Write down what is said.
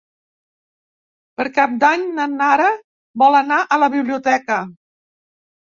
Per Cap d'Any na Nara vol anar a la biblioteca.